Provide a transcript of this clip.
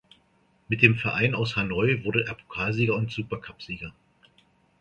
Mit dem Verein aus Hanoi wurde er Pokalsieger und Supercupsieger.